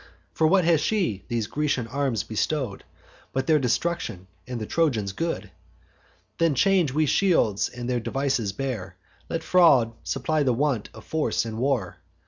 For what has she these Grecian arms bestow'd, But their destruction, and the Trojans' good? Then change we shields, and their devices bear: Let fraud supply the want of force in war.